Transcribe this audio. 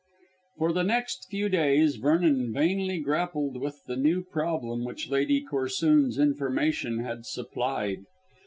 For the next few days Vernon vainly grappled with the new problem which Lady Corsoon's information had supplied.